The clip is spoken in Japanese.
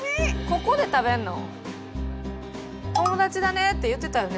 ここで食べんの？